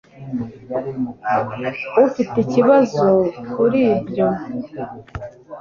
Ufite ikibazo kuri ibyo?